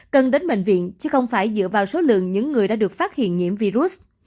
cần đến bệnh viện chứ không phải dựa vào số lượng những người đã được phát hiện nhiễm virus